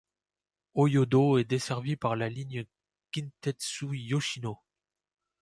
Ōyodo est desservi par la ligne Kintetsu Yoshino.